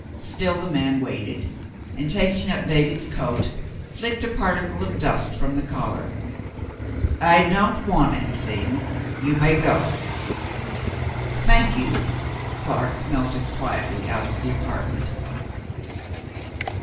Still the man waited, and, taking up David's coat, flicked a particle of dust from the collar. " I don't want anything. You may go." 234 New Conditions 235 "Thank you." Clark melted quietly out of the apart ment.